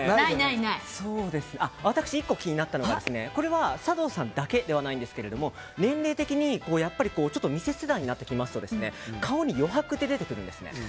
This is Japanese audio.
私、１個気になったのがこれは、佐藤さんだけではないんですけれども年齢的にミセス代になってくると顔に余白って出てくるんですね。